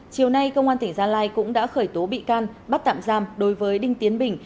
chiều nay công an tỉnh gia lai cũng đã khởi tố bị can bắt tạm giam đối với đinh tiến bình